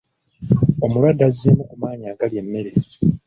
Omulwadde azzeemu ku maanyi agalya emmere.